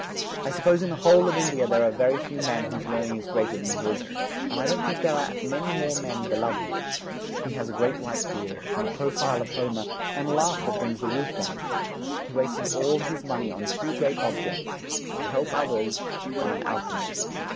I suppose in the whole of India there are few men whose learning is greater than his, and I don't think there are many men more beloved. He has a great white beard, and the profile of Homer, and a laugh that brings the roof down. He has wasted all his money on two great objects: to help others, and on alchemy.